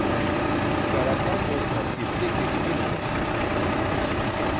Şaraptan bozma sirke keskin olur.